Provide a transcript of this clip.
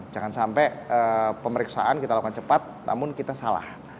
jangan sampai pemeriksaan kita lakukan cepat namun kita salah